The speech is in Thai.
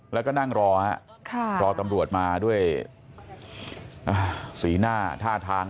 แล้วก็นั่งรอฮะรอตำรวจมาด้วยสีหน้าท่าทาง